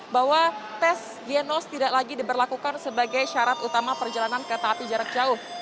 bahwa tes genos tidak lagi diberlakukan sebagai syarat utama perjalanan kereta api jarak jauh